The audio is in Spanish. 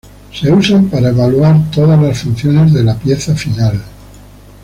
Se usan para evaluar todas las funciones de la pieza final.